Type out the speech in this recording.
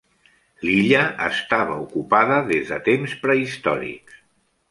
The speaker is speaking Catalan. L'illa estava ocupada des de temps prehistòrics.